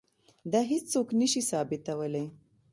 دا هیڅوک نه شي ثابتولی.